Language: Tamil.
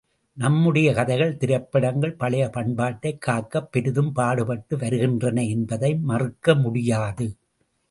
நம்முடைய கதைகள் திரைப்படங்கள் பழைய பண்பாட்டைக் காக்கப் பெரிதும் பாடுபட்டு வருகின்றன என்பதை மறுக்க முடியாது.